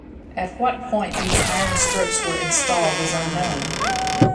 At what point these iron strips were installed is unknown.